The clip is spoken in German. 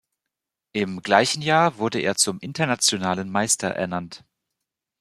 Im gleichen Jahr wurde er zum Internationalen Meister ernannt.